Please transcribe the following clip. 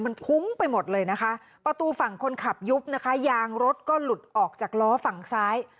มันพุ้งไปหมดเลยนะคะประตูฝั่งคนขับยุบนะคะยางรถก็หลุดออกจากล้อฝั่งซ้าย